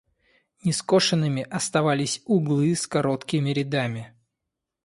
Нескошенными оставались углы с короткими рядами.